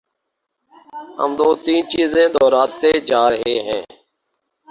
بس دو تین چیزیں دہرائے جا رہے ہیں۔